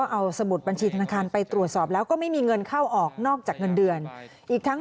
เอาสมุดบัญชีธนาคารไปตรวจสอบแล้วก็ไม่มีเงินเข้าออกนอกจากเงินเดือนอีกทั้ง